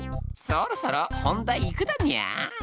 そろそろ本題いくだにゃー！